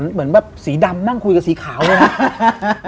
เหมือนแบบสีดำนั่งคุยกับสีขาวเลยนะ